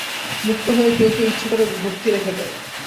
মুক্ত হয়েও কেউ কেউ ইচ্ছে করে ভক্তি রেখে দেয়।